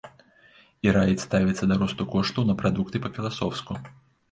І раіць ставіцца да росту коштаў на прадукты па-філасофску.